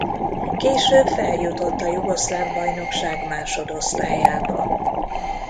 Később feljutott a jugoszláv bajnokság másodosztályába.